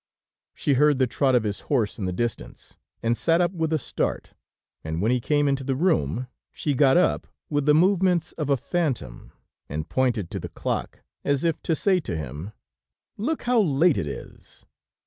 "She heard the trot of his horse in the distance, and sat up with a start, and when he came into the room, she got up with the movements of a phantom, and pointed to the clock, as if to say to him: 'Look how late it is!'